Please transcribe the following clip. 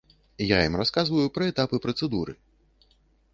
Я ім расказваю пра этапы працэдуры.